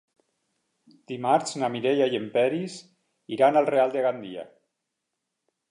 Dimarts na Mireia i en Peris iran al Real de Gandia.